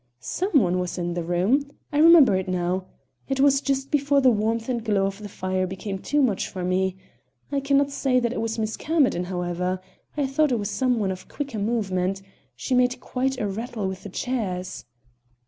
"Some one was in the room. I remember it now. It was just before the warmth and glow of the fire became too much for me. I can not say that it was Miss Camerden, however. I thought it was some one of quicker movement. She made quite a rattle with the chairs."